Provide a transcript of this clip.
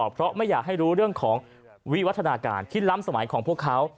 เพราะไม่อยากให้รู้เรื่องของวิวัฒนาการที่ล้ำสมัยของพวกเขา